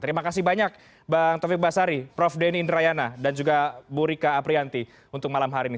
terima kasih banyak bang taufik basari prof denny indrayana dan juga bu rika aprianti untuk malam hari ini